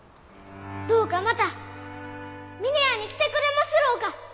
どうかまた峰屋に来てくれますろうか？